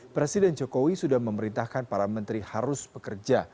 presiden jokowi sudah memerintahkan para menteri harus bekerja